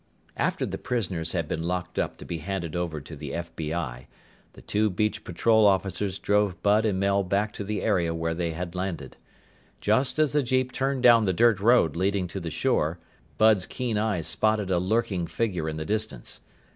After the prisoners had been locked up to be handed over to the FBI, the two Beach Patrol officers drove Bud and Mel back to the area where they had landed. Just as the jeep turned down the dirt road leading to the shore, Bud's keen eyes spotted a lurking figure in the distance.